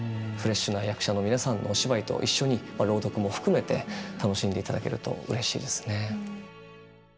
フレッシュな役者の皆さんのお芝居と一緒に朗読も含めて楽しんでいただけるとうれしいですね。